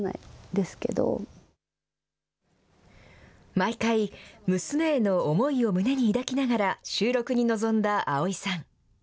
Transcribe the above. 毎回、娘への思いを胸に抱きながら、収録に臨んだ蒼井さん。